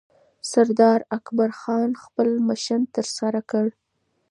سردار اکبرخان خپل مشن ترسره کړ